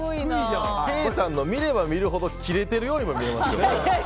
ケイさんの見れば見るほどキレてるようにも見えますよ。